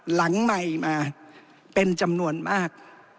หลังใหม่มาเป็นจำนวนมาก